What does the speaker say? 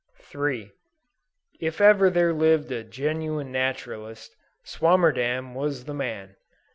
If ever there lived a genuine naturalist, Swammerdam was the man.